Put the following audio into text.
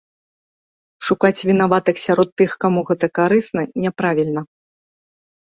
Шукаць вінаватых сярод тых, каму гэта карысна, няправільна.